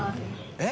えっ？